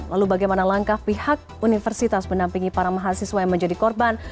lalu bagaimana langkah pihak universitas menampingi para mahasiswa yang menjadi korban